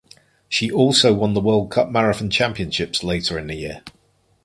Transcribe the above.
She also won the World Cup Marathon Championships later in the year.